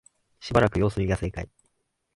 しばらく様子見が正解